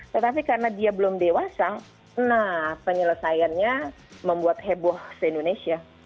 tetapi karena dia belum dewasa nah penyelesaiannya membuat heboh se indonesia